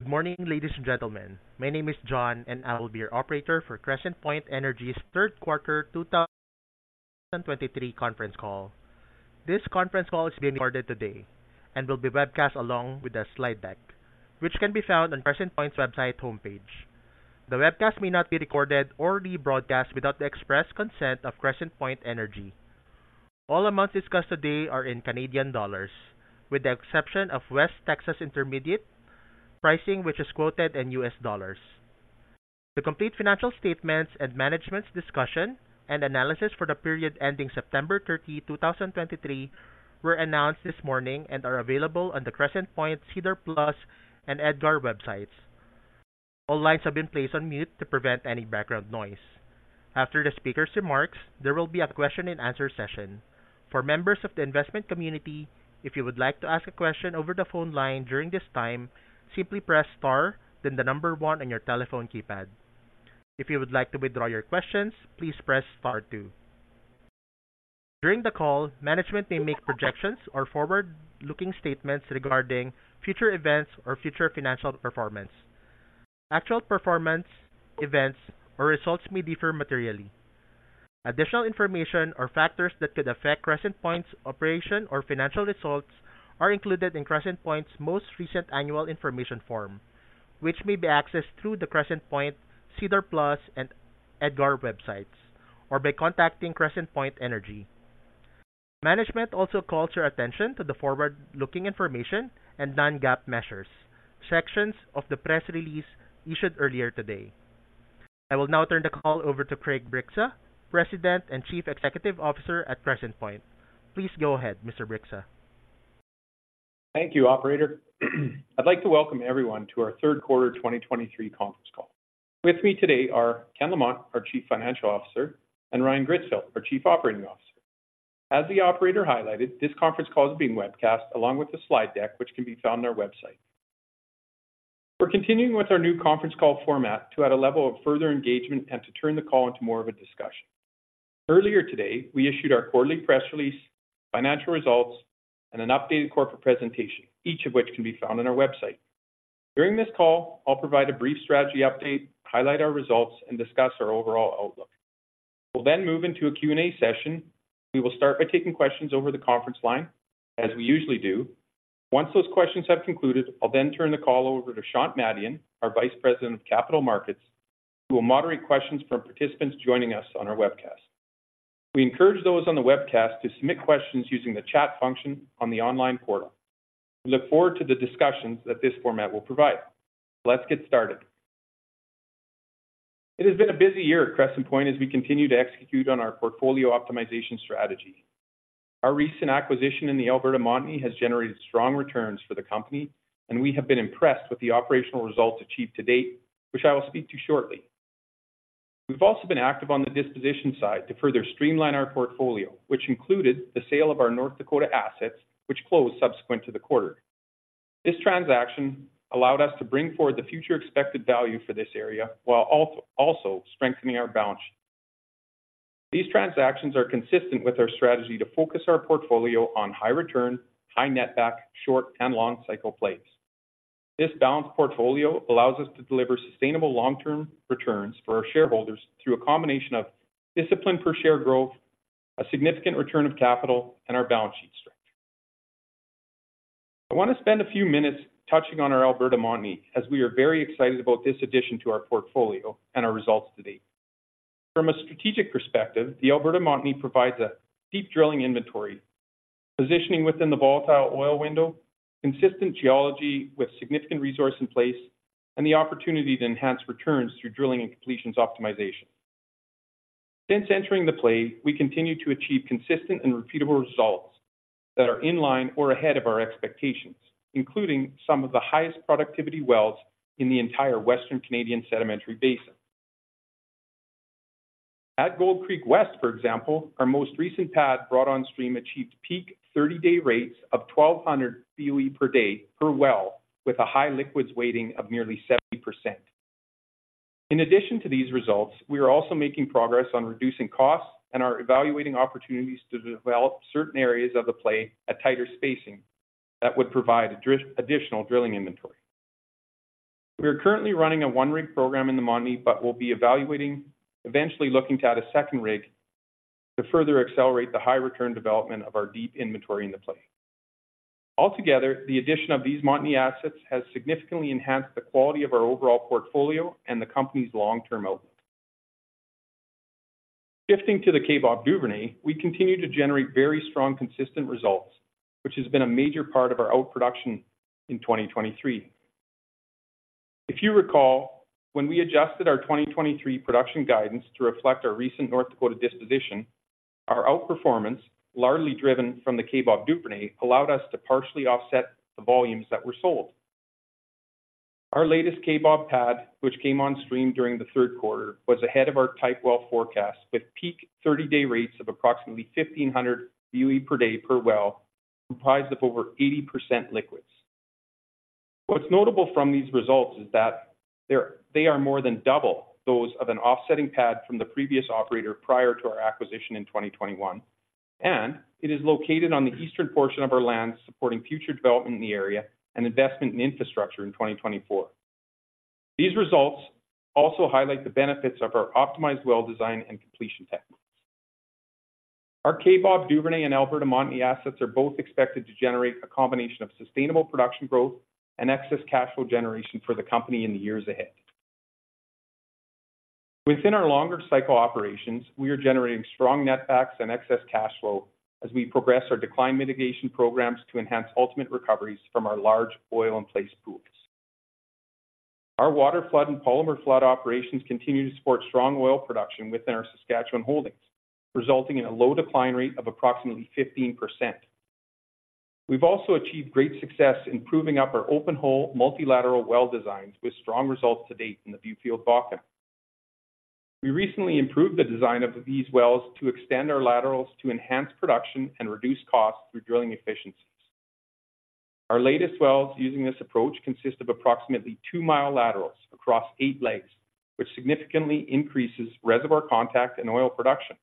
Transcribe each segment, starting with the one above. Good morning, ladies and gentlemen. My name is John, and I will be your operator for Crescent Point Energy's Third Quarter 2023 Conference Call. This conference call is being recorded today and will be webcast along with a slide deck, which can be found on Crescent Point's website homepage. The webcast may not be recorded or rebroadcast without the express consent of Crescent Point Energy. All amounts discussed today are in Canadian dollars, with the exception of West Texas Intermediate pricing, which is quoted in U.S. dollars. The complete financial statements and management's discussion and analysis for the period ending September 30, 2023, were announced this morning and are available on the Crescent Point, SEDAR+, and EDGAR websites. All lines have been placed on mute to prevent any background noise. After the speaker's remarks, there will be a question and answer session. For members of the investment community, if you would like to ask a question over the phone line during this time, simply press Star, then the number one on your telephone keypad. If you would like to withdraw your questions, please press Star two. During the call, management may make projections or forward-looking statements regarding future events or future financial performance. Actual performance, events, or results may differ materially. Additional information or factors that could affect Crescent Point's operation or financial results are included in Crescent Point's most recent Annual Information Form, which may be accessed through the Crescent Point, SEDAR+, and EDGAR websites, or by contacting Crescent Point Energy. Management also calls your attention to the forward-looking information and non-GAAP measures, sections of the press release issued earlier today. I will now turn the call over to Craig Bryksa, President and Chief Executive Officer at Crescent Point. Please go ahead, Mr. Bryksa. Thank you, operator. I'd like to welcome everyone to our Third Quarter 2023 Conference Call. With me today are Ken Lamont, our Chief Financial Officer, and Ryan Gritzfeldt, our Chief Operating Officer. As the operator highlighted, this conference call is being webcast along with the slide deck, which can be found on our website. We're continuing with our new conference call format to add a level of further engagement and to turn the call into more of a discussion. Earlier today, we issued our quarterly press release, financial results, and an updated corporate presentation, each of which can be found on our website. During this call, I'll provide a brief strategy update, highlight our results, and discuss our overall outlook. We'll then move into a Q&A session. We will start by taking questions over the conference line, as we usually do. Once those questions have concluded, I'll then turn the call over to Shant Madian, our Vice President of Capital Markets, who will moderate questions from participants joining us on our webcast. We encourage those on the webcast to submit questions using the chat function on the online portal. We look forward to the discussions that this format will provide. Let's get started. It has been a busy year at Crescent Point as we continue to execute on our portfolio optimization strategy. Our recent acquisition in the Alberta Montney has generated strong returns for the company, and we have been impressed with the operational results achieved to date, which I will speak to shortly. We've also been active on the disposition side to further streamline our portfolio, which included the sale of our North Dakota assets, which closed subsequent to the quarter. This transaction allowed us to bring forward the future expected value for this area while also strengthening our balance sheet. These transactions are consistent with our strategy to focus our portfolio on high return, high netback, short and long cycle plays. This balanced portfolio allows us to deliver sustainable long-term returns for our shareholders through a combination of disciplined per share growth, a significant return of capital, and our balance sheet strength. I want to spend a few minutes touching on our Alberta Montney, as we are very excited about this addition to our portfolio and our results to date. From a strategic perspective, the Alberta Montney provides a deep drilling inventory, positioning within the volatile oil window, consistent geology with significant resource in place, and the opportunity to enhance returns through drilling and completions optimization. Since entering the play, we continue to achieve consistent and repeatable results that are in line or ahead of our expectations, including some of the highest productivity wells in the entire Western Canadian Sedimentary Basin. At Gold Creek West, for example, our most recent pad brought on stream achieved peak 30-day rates of 1,200 BOE per day per well, with a high liquids weighting of nearly 70%. In addition to these results, we are also making progress on reducing costs and are evaluating opportunities to develop certain areas of the play at tighter spacing that would provide additional drilling inventory. We are currently running a one-rig program in the Montney, but we'll be evaluating, eventually looking to add a second rig to further accelerate the high return development of our deep inventory in the play. Altogether, the addition of these Montney assets has significantly enhanced the quality of our overall portfolio and the company's long-term outlook. Shifting to the Kaybob Duvernay, we continue to generate very strong, consistent results, which has been a major part of our outproduction in 2023. If you recall, when we adjusted our 2023 production guidance to reflect our recent North Dakota disposition, our outperformance, largely driven from the Kaybob Duvernay, allowed us to partially offset the volumes that were sold. Our latest Kaybob pad, which came on stream during the third quarter, was ahead of our type well forecast, with peak thirty-day rates of approximately 1,500 BOE per day per well, comprised of over 80% liquids. What's notable from these results is that they are more than double those of an offsetting pad from the previous operator prior to our acquisition in 2021. It is located on the eastern portion of our land, supporting future development in the area and investment in infrastructure in 2024. These results also highlight the benefits of our optimized well design and completion techniques. Our Kaybob Duvernay and Alberta Montney assets are both expected to generate a combination of sustainable production growth and excess cash flow generation for the company in the years ahead. Within our longer cycle operations, we are generating strong netbacks and excess cash flow as we progress our decline mitigation programs to enhance ultimate recoveries from our large oil in place pools. Our water flood and polymer flood operations continue to support strong oil production within our Saskatchewan holdings, resulting in a low decline rate of approximately 15%. We've also achieved great success in proving up our open hole multilateral well designs, with strong results to date in the Viewfield Bakken. We recently improved the design of these wells to extend our laterals, to enhance production and reduce costs through drilling efficiencies. Our latest wells, using this approach, consist of approximately 2-mile laterals across 8 legs, which significantly increases reservoir contact and oil production.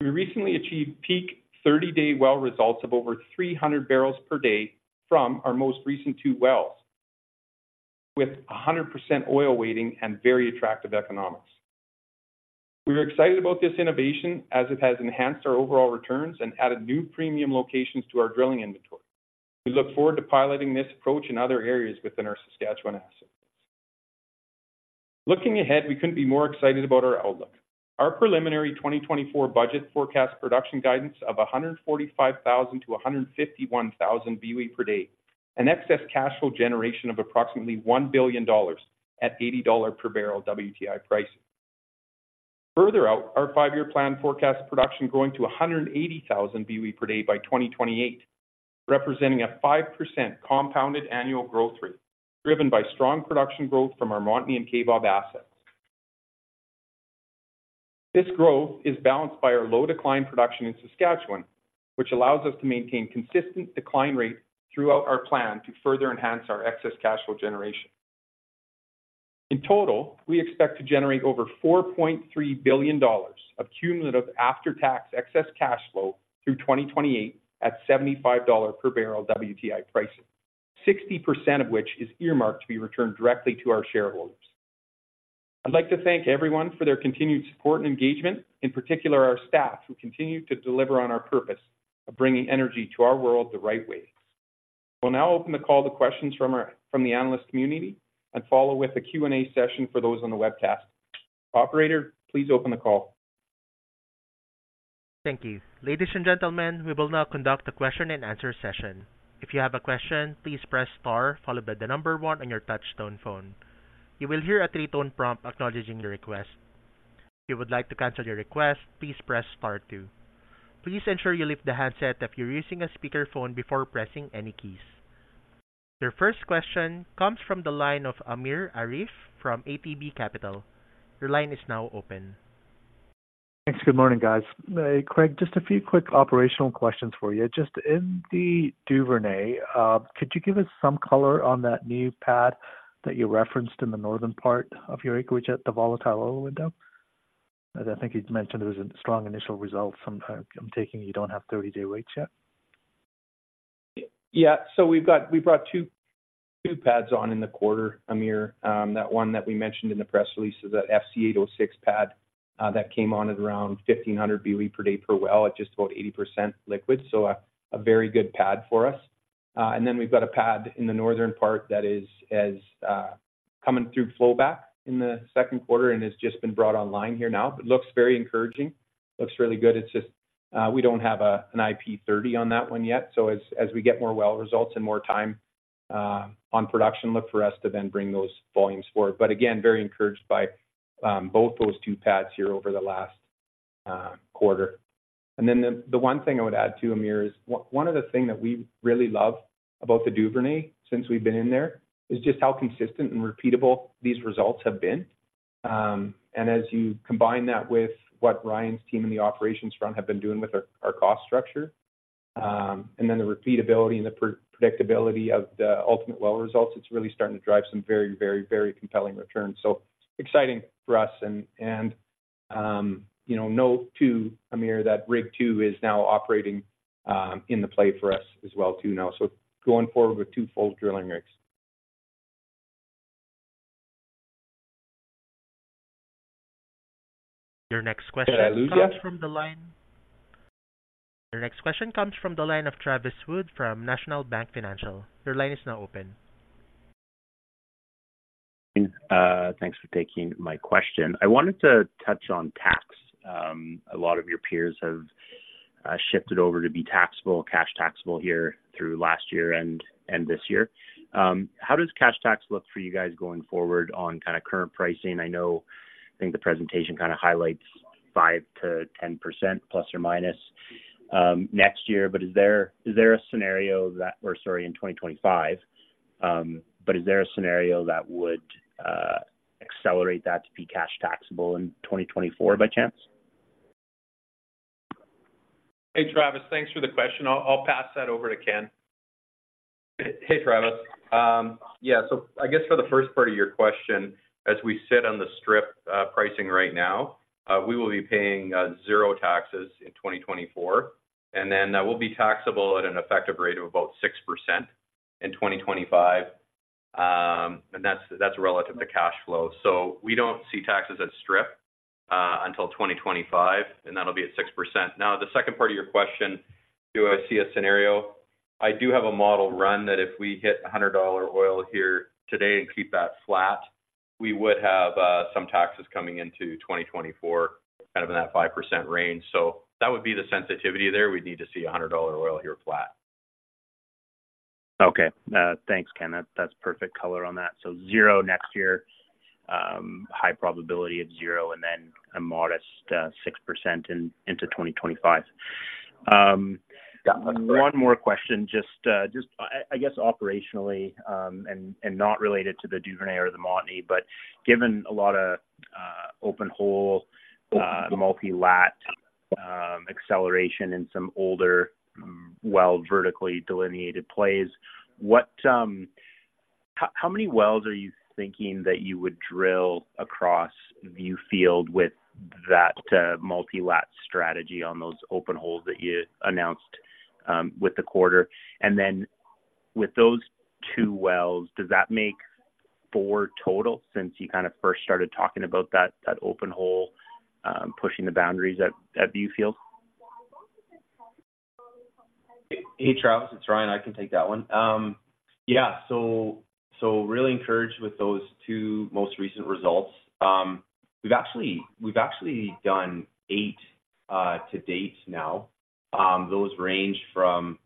We recently achieved peak 30-day well results of over 300 barrels per day from our most recent 2 wells, with 100% oil weighting and very attractive economics. We're excited about this innovation as it has enhanced our overall returns and added new premium locations to our drilling inventory. We look forward to piloting this approach in other areas within our Saskatchewan asset. Looking ahead, we couldn't be more excited about our outlook. Our preliminary 2024 budget forecast production guidance of 145,000-151,000 BOE per day, an excess cash flow generation of approximately $1 billion at $80 per barrel WTI pricing. Further out, our five-year plan forecasts production growing to 180,000 BOE per day by 2028, representing a 5% compounded annual growth rate, driven by strong production growth from our Montney and Kaybob assets. This growth is balanced by our low decline production in Saskatchewan, which allows us to maintain consistent decline rates throughout our plan to further enhance our excess cash flow generation. In total, we expect to generate over $4.3 billion of cumulative after-tax excess cash flow through 2028 at $75 per barrel WTI pricing, 60% of which is earmarked to be returned directly to our shareholders. I'd like to thank everyone for their continued support and engagement, in particular, our staff, who continue to deliver on our purpose of bringing energy to our world the right way. We'll now open the call to questions from the analyst community and follow with a Q&A session for those on the webcast. Operator, please open the call. Thank you. Ladies and gentlemen, we will now conduct a question and answer session. If you have a question, please press star, followed by the number one on your touchtone phone. You will hear a three-tone prompt acknowledging your request. If you would like to cancel your request, please press star two. Please ensure you lift the handset if you're using a speakerphone before pressing any keys. Your first question comes from the line of Amir Arif from ATB Capital. Your line is now open. Thanks. Good morning, guys. Craig, just a few quick operational questions for you. Just in the Duvernay, could you give us some color on that new pad that you referenced in the northern part of your acreage at the volatile oil window? As I think you'd mentioned, there was a strong initial result. Some, I'm taking you don't have 30-day rates yet. Yeah. So we've got we brought two, two pads on in the quarter, Amir. That one that we mentioned in the press release is that 14-06 or Fox Creek 8-06 pad that came on at around 1,500 BOE per day per well at just about 80% liquid. So a very good pad for us. And then we've got a pad in the northern part that is coming through flowback in the second quarter and has just been brought online here now. It looks very encouraging. Looks really good. It's just we don't have an IP30 on that one yet, so we get more well results and more time on production, look for us to then bring those volumes forward. But again, very encouraged by both those two pads here over the last quarter. And then the one thing I would add, too, Amir, is one of the things that we really love about the Duvernay since we've been in there, is just how consistent and repeatable these results have been. And as you combine that with what Ryan's team and the operations front have been doing with our cost structure, and then the repeatability and the predictability of the ultimate well results, it's really starting to drive some very, very, very compelling returns. So exciting for us. And you know, note too, Amir, that Rig Two is now operating in the play for us as well too now. So going forward with two full drilling rigs. Your next question- Did I lose you? Your next question comes from the line of Travis Wood from National Bank Financial. Your line is now open. Thanks for taking my question. I wanted to touch on tax. A lot of your peers have shifted over to be taxable, cash taxable here through last year and this year. How does cash tax look for you guys going forward on kinda current pricing? I know, I think the presentation kinda highlights 5%-10% ± next year, but is there, is there a scenario that... or sorry, in 2025. But is there a scenario that would accelerate that to be cash taxable in 2024 by chance? Hey, Travis, thanks for the question. I'll, I'll pass that over to Ken.... Hey, Travis. Yeah, so I guess for the first part of your question, as we sit on the strip pricing right now, we will be paying zero taxes in 2024, and then that will be taxable at an effective rate of about 6% in 2025. And that's, that's relative to cash flow. So we don't see taxes at strip until 2025, and that'll be at 6%. Now, the second part of your question, do I see a scenario? I do have a model run that if we hit $100 oil here today and keep that flat, we would have some taxes coming into 2024, kind of in that 5% range. So that would be the sensitivity there. We'd need to see $100 oil here flat. Okay. Thanks, Ken. That's perfect color on that. So zero next year, high probability of zero, and then a modest 6% into 2025. Yeah. One more question, just, just, I guess, operationally, and not related to the Duvernay or the Montney, but given a lot of open hole, multi-lat, acceleration in some older, well, vertically delineated plays, what... How, how many wells are you thinking that you would drill across Viewfield with that multi-lat strategy on those open holes that you announced with the quarter? With those two wells, does that make four total since you kinda first started talking about that, that open hole, pushing the boundaries at Viewfield? Hey, Travis, it's Ryan. I can take that one. Yeah, so, so really encouraged with those two most recent results. We've actually, we've actually done eight to date now. Those range from,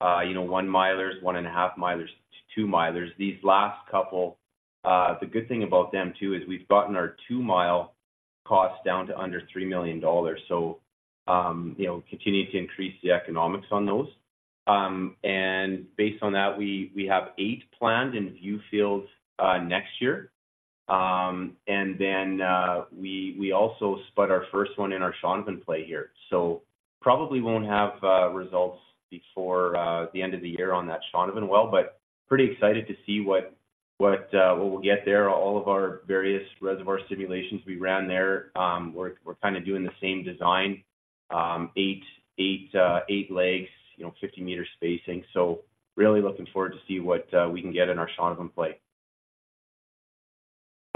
you know, 1-milers, 1.5-milers, to 2-milers. These last couple, the good thing about them, too, is we've gotten our 2-mile costs down to under 3 million dollars. So, you know, continuing to increase the economics on those. And based on that, we, we have eight planned in Viewfield next year. And then, we, we also spud our first one in our Shaunavon play here. So probably won't have results before the end of the year on that Shaunavon well, but pretty excited to see what, what we'll get there. All of our various reservoir simulations we ran there, we're kinda doing the same design, eight legs, you know, 50 meters spacing. So really looking forward to see what we can get in our Shaunavon play.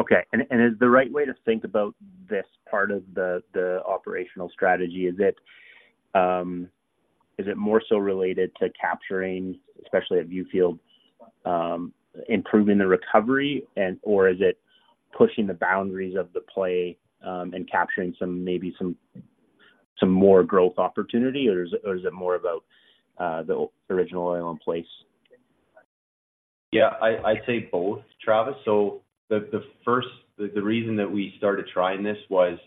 Okay. And is the right way to think about this part of the operational strategy, is it more so related to capturing, especially at Viewfield, improving the recovery, and or is it pushing the boundaries of the play, and capturing some, maybe some more growth opportunity, or is it more about the original oil in place? Yeah, I'd say both, Travis. So the first reason that we started trying this was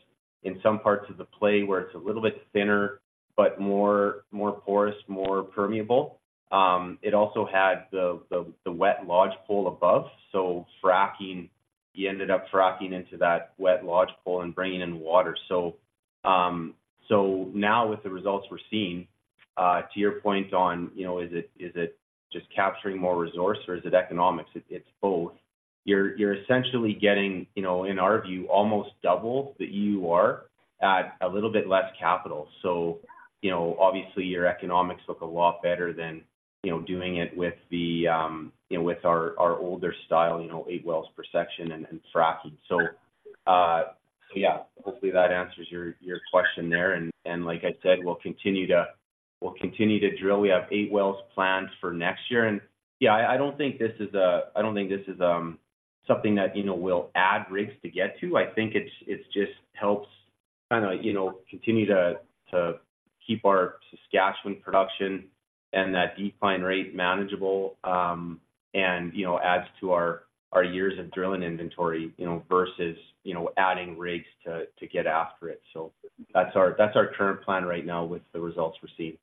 in some parts of the play where it's a little bit thinner, but more porous, more permeable, it also had the wet Lodgepole above. So fracking, you ended up fracking into that wet Lodgepole and bringing in water. So, so now with the results we're seeing, to your point on, you know, is it just capturing more resource or is it economics? It's both. You're essentially getting, you know, in our view, almost double the EUR at a little bit less capital. So, you know, obviously, your economics look a lot better than, you know, doing it with our older style, you know, 8 wells per section and fracking. So yeah, hopefully, that answers your question there. And like I said, we'll continue to drill. We have eight wells planned for next year. And yeah, I don't think this is something that, you know, we'll add rigs to get to. I think it's just helps kinda, you know, continue to keep our Saskatchewan production and that decline rate manageable, and you know, adds to our years of drilling inventory, you know, versus you know, adding rigs to get after it. So that's our current plan right now with the results we're seeing.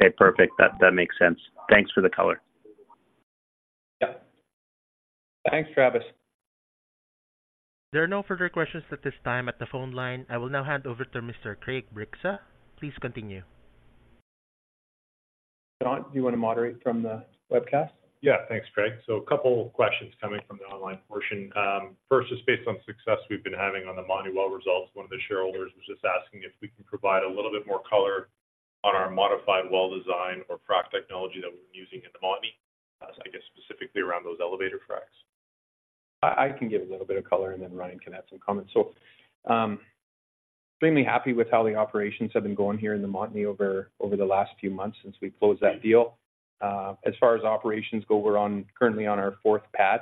Okay, perfect. That makes sense. Thanks for the color. Yeah. Thanks, Travis. There are no further questions at this time at the phone line. I will now hand over to Mr. Craig Bryksa. Please continue. Shant, do you want to moderate from the webcast? Yeah. Thanks, Craig. So a couple of questions coming from the online portion. First, just based on success we've been having on the Montney well results, one of the shareholders was just asking if we can provide a little bit more color on our modified well design or frac technology that we're using in the Montney, I guess specifically around those elevator fracs. I can give a little bit of color, and then Ryan can add some comments. Extremely happy with how the operations have been going here in the Montney over the last few months since we closed that deal. As far as operations go, we're currently on our fourth pad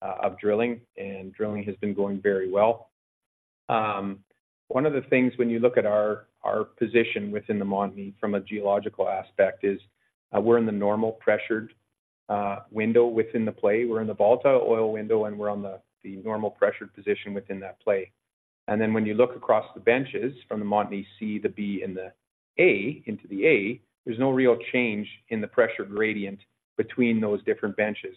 of drilling, and drilling has been going very well. One of the things when you look at our position within the Montney from a geological aspect is, we're in the normal pressured window within the play. We're in the volatile oil window, and we're on the normal pressured position within that play. And then when you look across the benches from the Montney C to B and the A, into the A, there's no real change in the pressure gradient between those different benches.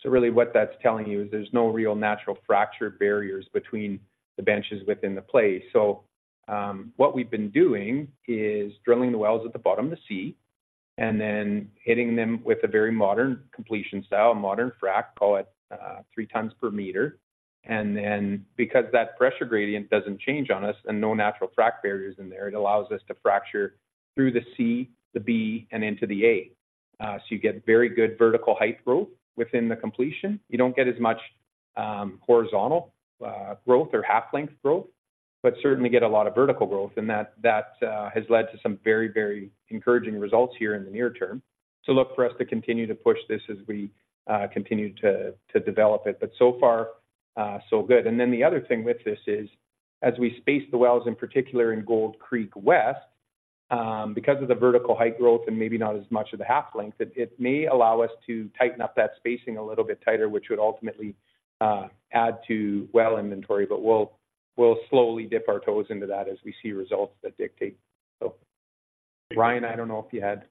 So really what that's telling you is there's no real natural fracture barriers between the benches within the play. So, what we've been doing is drilling the wells at the bottom of the C, and then hitting them with a very modern completion style, a modern frac, call it, 3 tons per meter. And then because that pressure gradient doesn't change on us and no natural frac barriers in there, it allows us to fracture through the C, the B, and into the A. So you get very good vertical height growth within the completion. You don't get as much horizontal growth or half-length growth, but certainly get a lot of vertical growth, and that has led to some very, very encouraging results here in the near term. So look for us to continue to push this as we continue to develop it. But so far, so good. And then the other thing with this is, as we space the wells, in particular in Gold Creek West, because of the vertical height growth and maybe not as much of the half-length, it may allow us to tighten up that spacing a little bit tighter, which would ultimately add to well inventory, but we'll slowly dip our toes into that as we see results that dictate. So, Ryan, I don't know if you had-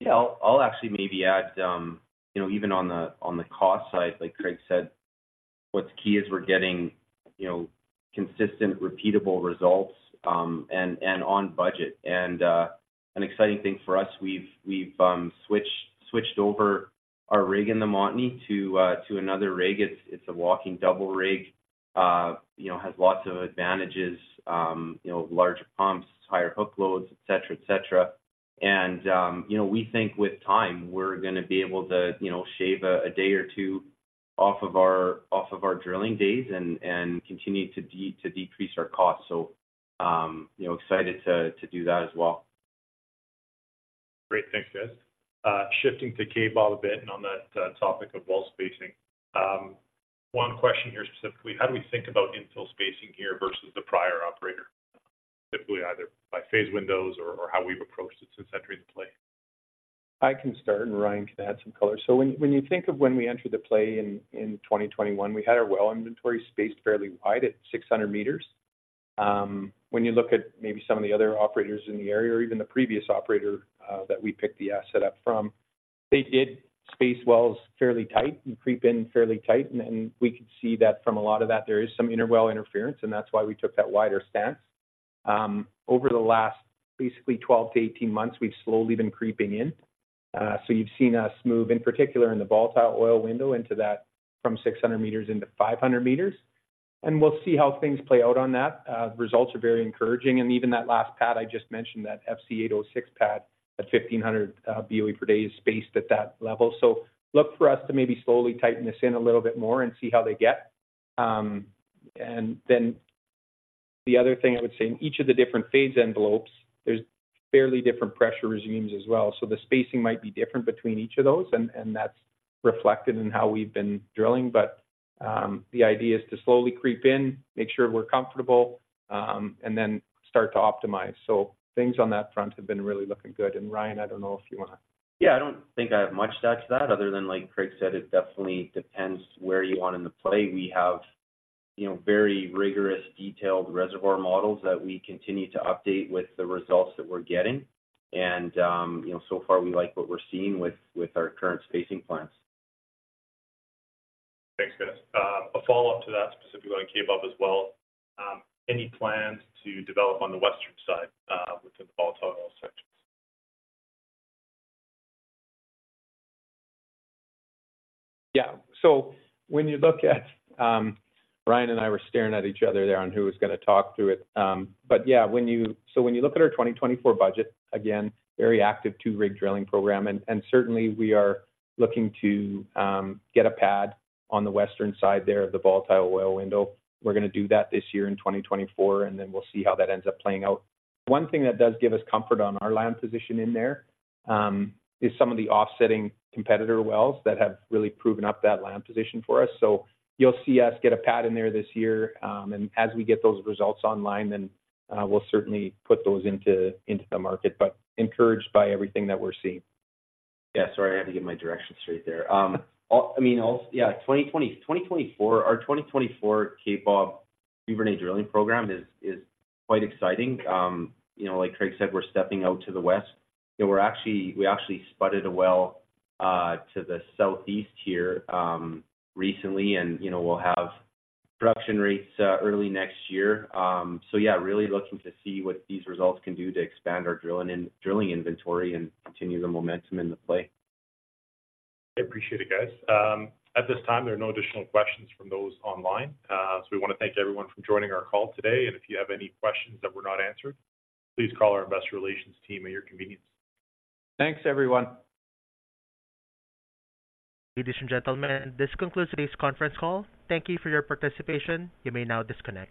Yeah, I'll actually maybe add, you know, even on the, on the cost side, like Craig said, what's key is we're getting, you know, consistent, repeatable results, and on budget. And, an exciting thing for us, we've switched over our rig in the Montney to another rig. It's a walking double rig, you know, has lots of advantages, you know, larger pumps, higher hook loads, et cetera, et cetera. And, you know, we think with time, we're gonna be able to, you know, shave a day or two off of our drilling days and continue to decrease our costs. So, you know, excited to do that as well. Great. Thanks, guys. Shifting to Kaybob a bit, and on that topic of well spacing, one question here specifically, how do we think about infill spacing here versus the prior operator? Typically, either by phase windows or, or how we've approached it since entering the play. I can start, and Ryan can add some color. When you think of when we entered the play in 2021, we had our well inventory spaced fairly wide at 600 meters. When you look at maybe some of the other operators in the area or even the previous operator that we picked the asset up from, they did space wells fairly tight and creep in fairly tight, and we could see that from a lot of that, there is some interwell interference, and that's why we took that wider stance. Over the last basically 12-18 months, we've slowly been creeping in. You've seen us move, in particular in the volatile oil window, into that from 600 meters into 500 meters, and we'll see how things play out on that. The results are very encouraging, and even that last pad I just mentioned, that FC 8-06 pad at 1,500 BOE per day is spaced at that level. So look for us to maybe slowly tighten this in a little bit more and see how they get. And then the other thing I would say, in each of the different phase envelopes, there's fairly different pressure regimes as well, so the spacing might be different between each of those, and, and that's reflected in how we've been drilling. But the idea is to slowly creep in, make sure we're comfortable, and then start to optimize. So things on that front have been really looking good. And, Ryan, I don't know if you want to. Yeah, I don't think I have much to add to that other than, like Craig said, it definitely depends where you are in the play. We have, you know, very rigorous, detailed reservoir models that we continue to update with the results that we're getting. And, you know, so far, we like what we're seeing with our current spacing plans. Thanks, guys. A follow-up to that, specifically on Kaybob as well, any plans to develop on the western side, within the volatile oil sections? Yeah. So when you look at, Ryan and I were staring at each other there on who was gonna talk through it. But yeah, when you-- so when you look at our 2024 budget, again, very active two-rig drilling program, and, and certainly we are looking to, get a pad on the western side there of the volatile oil window. We're gonna do that this year in 2024, and then we'll see how that ends up playing out. One thing that does give us comfort on our land position in there, is some of the offsetting competitor wells that have really proven up that land position for us. So you'll see us get a pad in there this year, and as we get those results online, then, we'll certainly put those into, into the market, but encouraged by everything that we're seeing. Yeah, sorry, I had to get my directions straight there. I mean, also, yeah, 2024, our 2024 Kaybob Duvernay drilling program is quite exciting. You know, like Craig said, we're stepping out to the west. We actually spudded a well to the southeast here recently, and, you know, we'll have production rates early next year. So yeah, really looking to see what these results can do to expand our drilling inventory and continue the momentum in the play. I appreciate it, guys. At this time, there are no additional questions from those online. So we want to thank everyone for joining our call today, and if you have any questions that were not answered, please call our investor relations team at your convenience. Thanks, everyone. Ladies and gentlemen, this concludes today's conference call. Thank you for your participation. You may now disconnect.